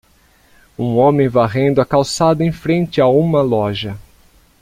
Um homem varrendo a calçada em frente a uma loja.